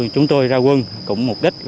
chúng tôi ra quân cũng mục đích